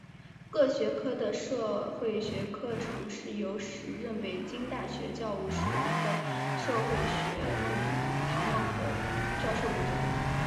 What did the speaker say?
各学科的社会学课程是由时任北京大学教务长的社会学家陶孟和教授主讲。